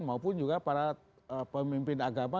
maupun juga para pemimpin agama